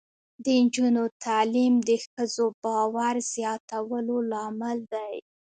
د نجونو تعلیم د ښځو باور زیاتولو لامل دی.